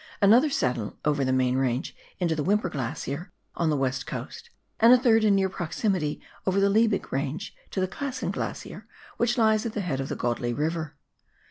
another saddle over the main range into the Whymper Glacier on the West Coast, and a third, in near proximity, over the Liebig Range to the Classen Glacier, which lies at the head of the Godley River.